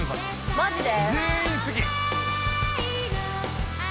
「マジで？」